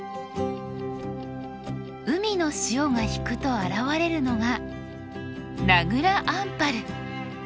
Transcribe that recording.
海の潮が引くと現れるのが名蔵アンパル。